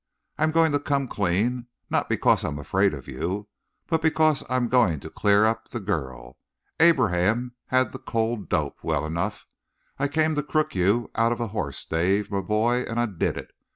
I'm going to come clean, not because I'm afraid of you, but because I'm going to clear up the girl. Abraham had the cold dope, well enough. I came to crook you out of a horse, Dave, my boy, and I did it.